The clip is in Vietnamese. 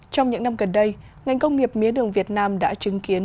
trong những năm gần đây ngành công nghiệp mía đường việt nam đã chứng kiến